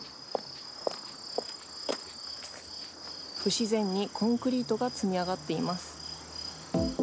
不自然にコンクリートが積み上がっています。